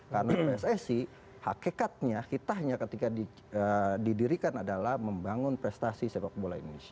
karena pssi hakikatnya kitahnya ketika di eee didirikan adalah membangun prestasi sepak bola indonesia